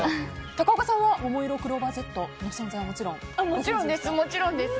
高岡さんはももいろクローバーＺの存在はもちろんです。